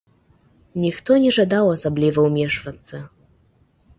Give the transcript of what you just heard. Ніхто не жадаў асабліва ўмешвацца.